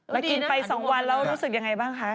แล้วกินไป๒วันแล้วรู้สึกยังไงบ้างคะ